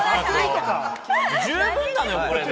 十分なのよ、これで。